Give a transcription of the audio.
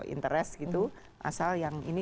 interest gitu asal yang ini